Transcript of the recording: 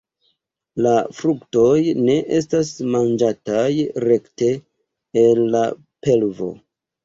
La fruktoj ne estas manĝataj rekte el la pelvo.